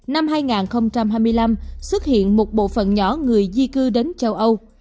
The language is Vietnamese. năm hai nghìn hai mươi năm xuất hiện một bộ phận nhỏ người di cư đến châu âu